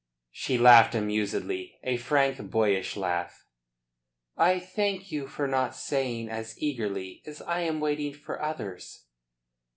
She laughed amusedly, a frank, boyish laugh. "I thank you for not saying as eagerly as I am waiting for others."